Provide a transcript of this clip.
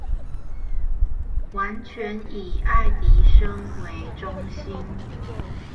完全以愛迪生為中心